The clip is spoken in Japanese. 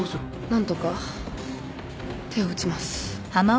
何とか手を打ちます。